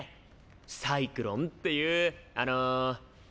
サイクロンっていうあの語呂？